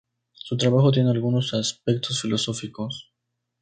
Su trabajo tiene algunos aspectos filosóficos.